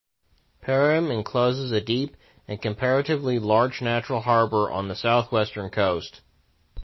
Perim encloses a deep and comparatively large natural harbour on the southwestern coast.